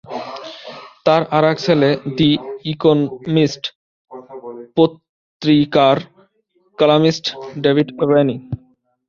তার আরেক ছেলে "দ্য ইকোনমিস্ট" পত্রিকার কলামিস্ট ডেভিড রেনি।